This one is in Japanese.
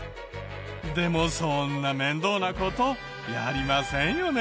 でもそんな面倒な事やりませんよね。